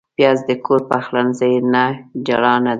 پیاز د کور پخلنځي نه جلا نه دی